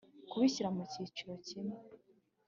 kubishyira mu cyiciro kimwe